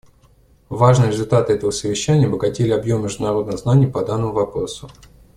Важные результаты этого совещания обогатили объем международных знаний по данному вопросу.